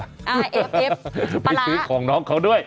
เอ่อเอฟปลาร้าไปซื้อของน้องเขาด้วย